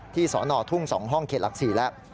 สอนอทุ่ง๒ห้องเขตหลัก๔แล้ว